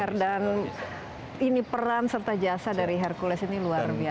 her dan ini peran serta jasa dari hercules ini luar biasa